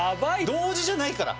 同時じゃないから。